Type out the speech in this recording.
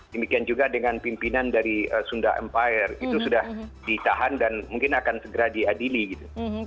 demikian juga dengan pimpinan dari sunda empire itu sudah ditahan dan mungkin akan segera diadili gitu